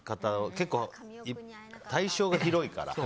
結構、対象が広いから。